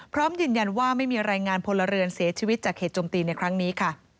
พร้อมยืนยันว่าไม่มีรายงานพลเรือนเสียชีวิตจากเหตุจมตีในครั้งนี้ค่ะ